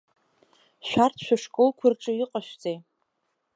Шәарҭ шәышколқәа рҿы иҟашәҵеи?